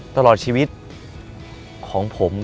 ตลอดชีวิตของผม